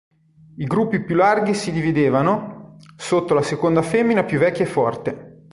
I gruppi più larghi si dividevano, sotto la seconda femmina più vecchia e forte.